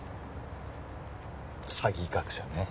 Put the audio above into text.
詐欺学者ね